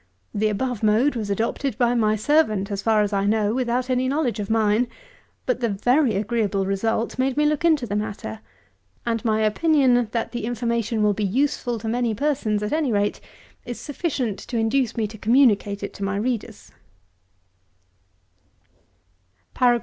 The above mode was adopted by my servant, as far as I know, without any knowledge of mine; but the very agreeable result made me look into the matter; and my opinion, that the information will be useful to many persons, at any rate, is sufficient to induce me to communicate it to my readers.